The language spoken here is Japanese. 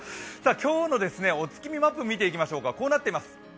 今日のお月見マップ見ていきましょうか、こうなっています。